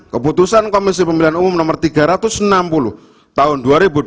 keputusan komisi pemilihan umum no tiga ratus enam puluh tahun dua ribu dua puluh